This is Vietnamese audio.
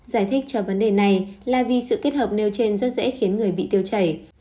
giải thích cho vấn đề này là vì sự kết hợp nêu trên rất dễ khiến người bị tiêu chảy